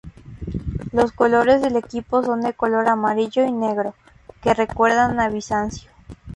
Los colores del equipo son de color amarillo y negro, que recuerda a Bizancio.